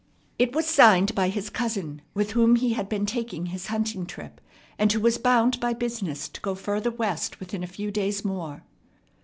It was signed by his cousin with whom he had been taking his hunting trip, and who was bound by business to go further West within a few days more.